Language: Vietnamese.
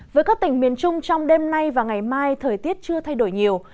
với các tỉnh miền trung trong đêm nay và ngày mai thời tiết chưa thay đổi nhiều